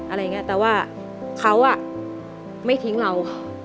อะไรอย่างนี้แต่ว่าเขาไม่ทิ้งเรา